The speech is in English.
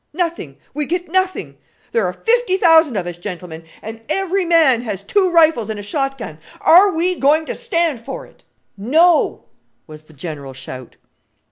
Nothing! we get nothing! There are fifty thousand of us, gentlemen, and every man has two rifles and a shot gun. Are we going to stand for it?" "No," was the general shout.